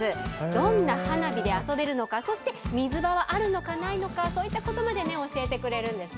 どんな花火で遊べるのかそして水場はあるのか、ないのかそういったことまで教えてくれるんです。